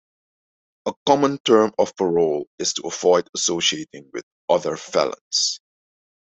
A common term of parole is to avoid associating with other felons.